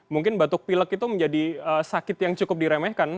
mungkin batuk pilek itu menjadi sakit yang cukup diremehkan